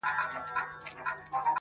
د فتوحاتو یرغلونو او جنګونو کیسې-